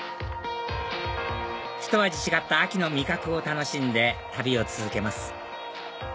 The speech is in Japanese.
ひと味違った秋の味覚を楽しんで旅を続けます